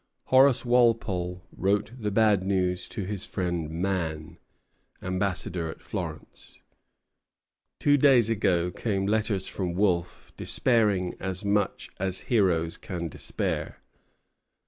Horace Walpole wrote the bad news to his friend Mann, ambassador at Florence: "Two days ago came letters from Wolfe, despairing as much as heroes can despair.